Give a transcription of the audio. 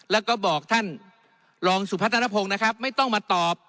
แล้วก็บอกท่านรองสุพัฒนภงนะครับไม่ต้องมาตอบ